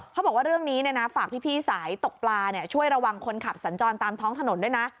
เขาบอกว่าเรื่องนี้ฝากพี่สายตกปลาช่วยระวังคนขับสัญจรตามท้องถนนด้วยนะ